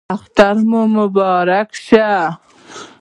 اختر مو مبارک شه